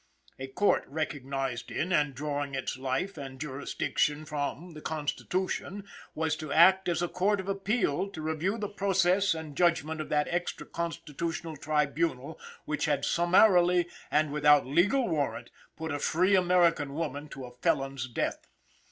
A Court recognized in, and drawing its life and jurisdiction from, the Constitution was to act as a court of appeal to review the process and judgment of that extra constitutional tribunal, which had, summarily and without legal warrant, put a free American woman to a felon's death.